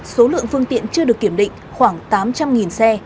số lượng phương tiện chưa được kiểm định khoảng tám trăm linh xe